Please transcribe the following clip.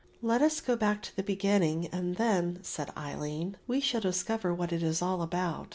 "Let us go back to the beginning and then," said Aline, "we shall discover what it is all about."